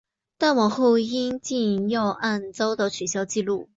但往后因禁药案遭到取消记录。